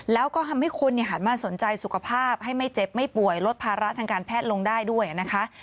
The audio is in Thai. แล้วก็ทำให้คนหันมาสนใจสุขภาพให้ไม่เจ็บไม่ป่วยลดภาระทางการแพทย์ลงได้ด้วยนะคะ